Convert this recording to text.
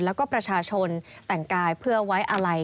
แล้วก็ประชาชนแต่งกายเพื่อไว้อาลัย